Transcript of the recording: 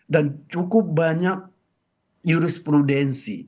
dan cukup banyak jurisprudensi